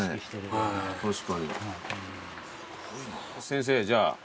先生じゃあ